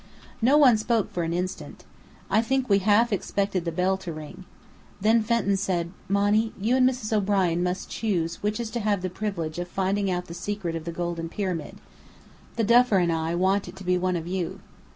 No one spoke for an instant. I think we half expected the bell to ring. Then Fenton said: "Monny, you and Mrs. O'Brien must choose which is to have the privilege of finding out the secret of the golden pyramid. The Duffer and I want it to be one of you."